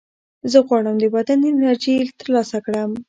زه غواړم د بدن انرژي ترلاسه کړم.